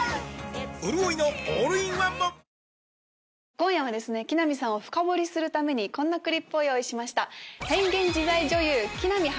今夜木南さんを深掘りするためにこんなクリップを用意しました。